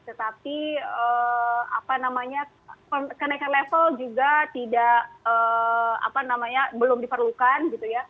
tetapi kenaikan level juga belum diperlukan gitu